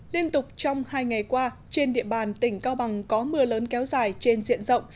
liên tục trong hai ngày qua trên địa bàn tỉnh cao bằng có mưa lớn kéo dài trên diện rộng